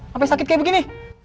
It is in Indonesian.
sampai sakit kayak begini